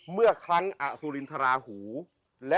เมื่อคลั้งอสุลิณทราหูและ